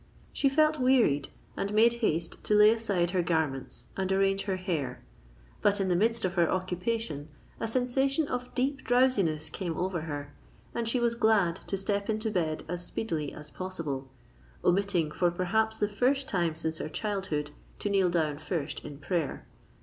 She felt wearied, and made haste to lay aside her garments and arrange her hair. But in the midst of her occupation a sensation of deep drowsiness came over her; and she was glad to step into bed as speedily as possible—omitting, for perhaps the first time since her childhood, to kneel down first in prayer.